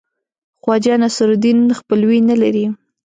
خواجه نصیرالدین خپلوي نه لري.